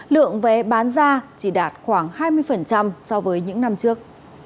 lượng vé bán ra chỉ đạt khoảng hai mươi so với những năm trước